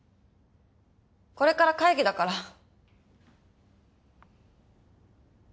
これから会議だから。